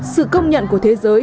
sự công nhận của thế giới